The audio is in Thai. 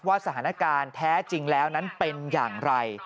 สถานการณ์แท้จริงแล้วนั้นเป็นอย่างไร